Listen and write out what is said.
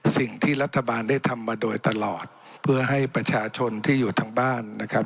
สิ่งที่รัฐบาลได้ทำมาโดยตลอดเพื่อให้ประชาชนที่อยู่ทางบ้านนะครับ